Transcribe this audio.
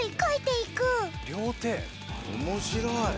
おもしろい！